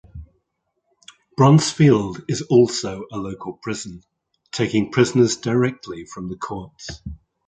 Bronzefield is also a local prison, taking prisoners directly from the courts.